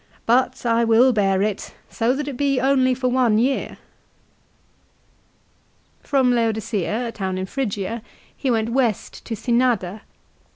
But I will bear it, so that it be only for one year." 2 From Laodicea a town in Phrygia he went west to Synnada.